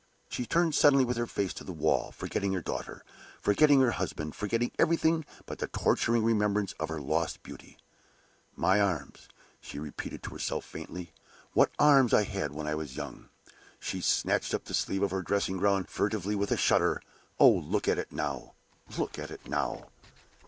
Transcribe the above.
She turned suddenly with her face to the wall, forgetting her daughter, forgetting her husband, forgetting everything but the torturing remembrance of her lost beauty. "My arms!" she repeated to herself, faintly. "What arms I had when I was young!" She snatched up the sleeve of her dressing gown furtively, with a shudder. "Oh, look at it now! look at it now!"